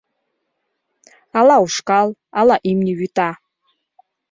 Ала ушкал, ала имне вӱта.